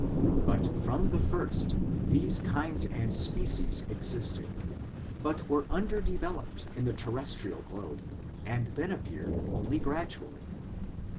But from the first these kinds and species existed, but were undeveloped in the terrestrial globe, and then appeared only gradually.